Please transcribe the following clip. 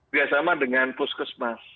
biasa sama dengan puskesmas